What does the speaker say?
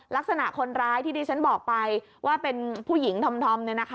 ลักษณะคนร้ายที่ดิฉันบอกไปว่าเป็นผู้หญิงธรรมเนี่ยนะคะ